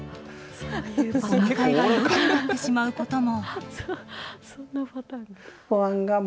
お迎えが夜になってしまうことも。